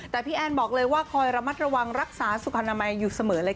แต่พี่แอนบอกเลยว่าคอยระมัดระวังรักษาสุขนามัยอยู่เสมอเลยค่ะ